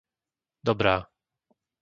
Dobrá